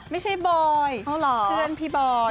ไม่ใช่บอยเพื่อนพี่บอย